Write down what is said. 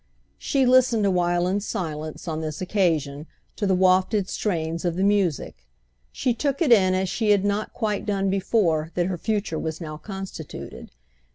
She listened a while in silence, on this occasion, to the wafted strains of the music; she took it in as she had not quite done before that her future was now constituted.